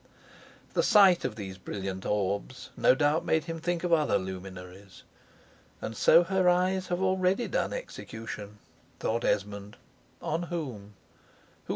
The sight of these brilliant orbs no doubt made him think of other luminaries. "And so her eyes have already done execution," thought Esmond "on whom?